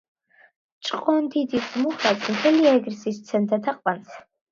ჭყონდიდის მუხას მთელი ეგრისი სცემდა თაყვანს.